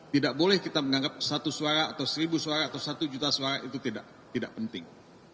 tidak boleh kita menganggap satu suara atau seribu suara atau satu juta suara itu tidak penting